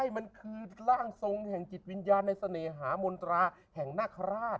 มันคือร่างทรงแห่งจิตวิญญาณในเสน่หามนตราแห่งนาคาราช